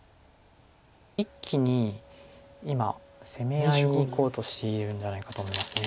一気に今攻め合いにいこうとしているんじゃないかと思います。